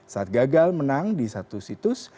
saat gagal menang di satu situs